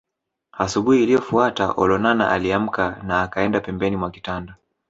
Asubuhi iliyofuata Olonana aliamka na akaenda pembeni mwa kitanda